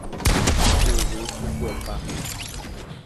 Yvy hykuepa